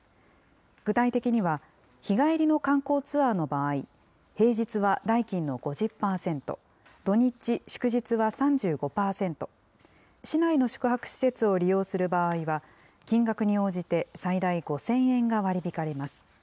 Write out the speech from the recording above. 具体的には、日帰りの観光ツアーの場合、平日は代金の５０％、土日祝日は３５％、市内の宿泊施設を利用する場合は、金額に応じて最大５０００円が割り引かれます。